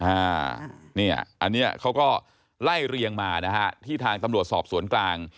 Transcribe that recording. อันนี้เขาก็ไล่เรียงมานะฮะที่ทางตำรวจสอบสวนกลาง